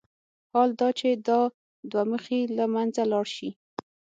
حال دا چې که دا دوه مخي له منځه لاړ شي.